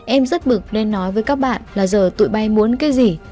em rất bực nên nói với các bạn là giờ tụi bay muốn cái gì